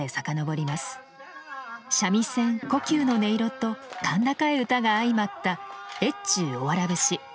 三味線胡弓の音色と甲高い唄が相まった「越中おわら節」。